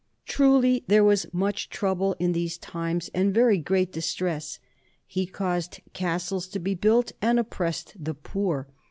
Truly there was much trouble in these times, and very great distress; he caused castles to be built, and oppressed the poor.